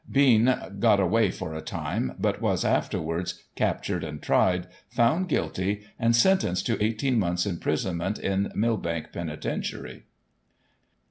Bean got away for a time, but was, afterwards, captured and tried, found guilty, and sentenced to 1 8 months* imprison ment in Millbank Penitentiary.